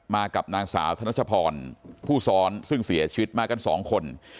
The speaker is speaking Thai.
มากับนางสาวธนัชพรผู้ซ้อนซึ่งเสียชีวิตมากันสองคน